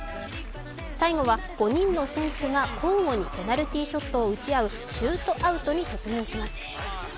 最後は５人の選手が交互にペナルティーショットを打ち合うシュートアウトに突入します。